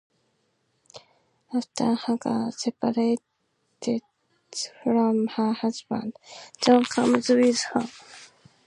After Hagar separates from her husband, John comes with her.